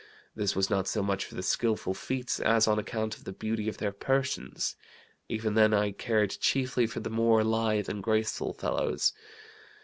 This was not so much for the skillful feats as on account of the beauty of their persons. Even then I cared chiefly for the more lithe and graceful fellows.